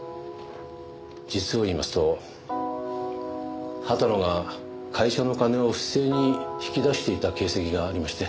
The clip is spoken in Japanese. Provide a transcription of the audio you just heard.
実を言いますと畑野が会社の金を不正に引き出していた形跡がありまして。